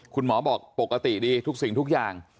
คุณหมอบอกปกติดีทุกสิ่งทุกอย่าง